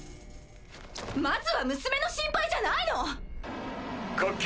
まずは娘の心配じゃないの⁉各機